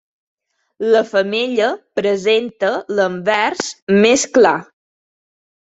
La femella presenta l'anvers més clar.